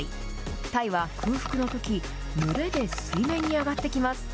タイは空腹のとき、群れで水面に上がってきます。